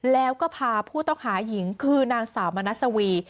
แล้วก็พาผู้ต้องหาหญิงคือนางสาวมณัสวี